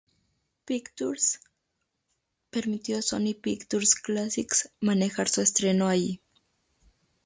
Pictures permitió a Sony Pictures Classics manejar su estreno allí.